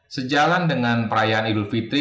sejalan dengan perayaan idul fitri